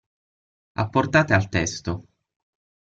Apportate al testo.